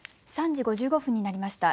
３時５５分になりました。